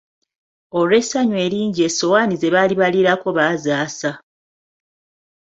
Olw'essanyu eringi essowaani ze baali baliirako bazaasa.